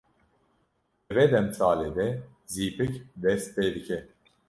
Di vê demsalê de zîpik dest pê dike.